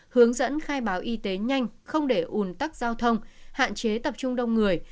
hướng dẫn khai báo y tế nhanh không để ủn tắc giao thông hạn chế tập trung đông người